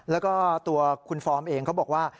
แล้วก็ตัวคุณฟอร์มเองเขาบอกว่า